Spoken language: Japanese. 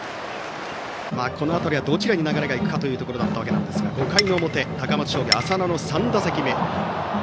この辺りはどちらに流れが行くかといったところでしたが５回の表高松商業、浅野の３打席目。